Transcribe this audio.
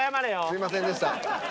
すいませんでした。